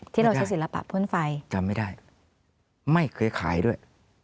ที่เราใช้ศิลปะพ่นไฟจำไม่ได้ไม่เคยขายด้วย